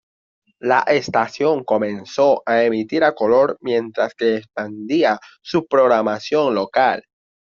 La estación comenzó a emitir a color mientras que expandía su programación local.